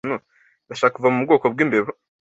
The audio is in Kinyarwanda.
Ndashaka kuva mu bwoko bwimbeba.